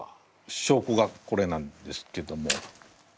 証拠がこれなんですけども。